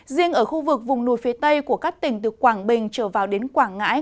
riêng ở khu vực vùng núi phía tây của các tỉnh từ quảng bình trở vào đến quảng ngãi